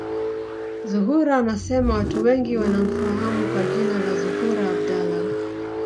Zuhura anasema watu wengi wanamfahamu kwa jina la Zuhura Abdallah